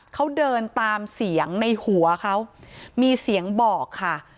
เขาเดินตามเสียงในหัวเขามีเสียงบอกค่ะ